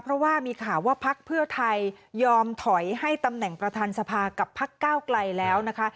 เพราะว่ามีข่าวว่าพักเพื่อไทยยอมถอยให้ตำแหน่งประธานสภากับพักก้าวไกลแล้วนะคะ